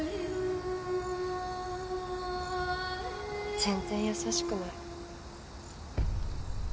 全然優しくない。